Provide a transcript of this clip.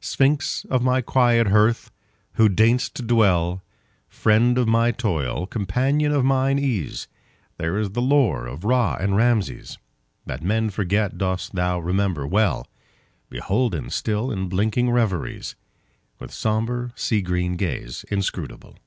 Sphinx of my quiet hearth! who deign'st to dwellFriend of my toil, companion of mine ease, Thine is the lore of Ra and Rameses; That men forget dost thou remember well, Beholden still in blinking reveriesWith sombre, sea green gaze inscrutable.